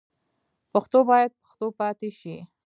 پښتو باید پښتو پاتې شي.